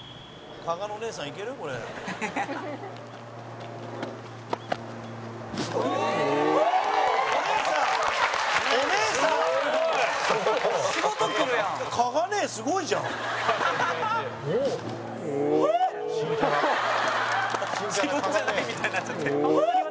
加賀：自分じゃないみたいになっちゃって。